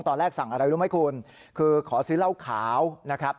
ตอนแรกสั่งอะไรรู้ไหมคุณคือขอซื้อเหล้าขาวนะครับ